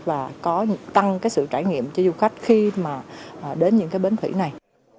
và có tăng cái sự trải nghiệm cho du khách khi mà đến những cái bến thủy này